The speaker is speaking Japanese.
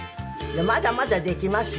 まだまだできますよ。